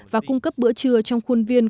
và cung cấp bữa trưa trong khuôn viên